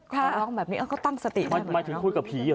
ก็ร้องแบบนี้ก็ตั้งสติหมายถึงคุยกับผีเหรอ